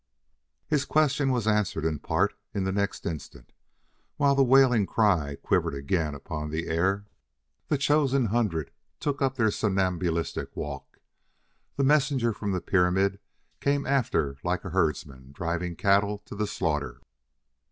His question was answered in part in the next instant. While the wailing cry quivered again upon the air, the chosen hundred took up their somnambulistic walk. The messenger from the pyramid came after like a herdsman driving cattle to the slaughter.